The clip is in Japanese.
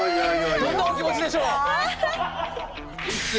どんなお気持ちでしょう？